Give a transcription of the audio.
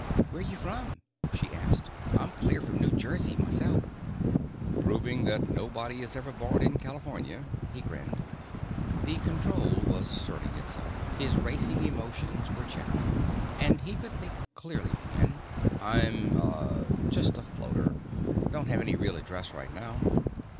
"Where you from?" she asked. "I'm clear from New Jersey myself." "Proving that nobody is ever born in California." He grinned. The control was asserting itself, his racing emotions were checked and he could think clearly again. "I'm uh just a floater. Don't have any real address right now."